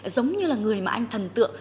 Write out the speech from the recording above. giống như là người mà anh thần tượng